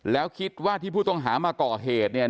แล้วคิดว่าที่ผู้ต้องหามาก่อเหตุเนี่ย